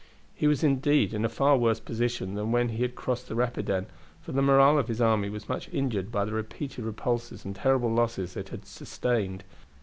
He was indeed in a far worse position than when he had crossed the Rapidan, for the morale of his army was much injured by the repeated repulses and terrible losses it had sustained.